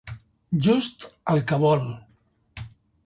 Just el que vol.